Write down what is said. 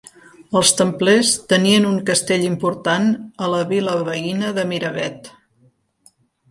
Els templers tenien un castell important a la vila veïna de Miravet.